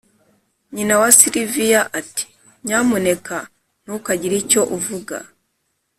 nyina wa sylvia ati 'nyamuneka ntukagire icyo uvuga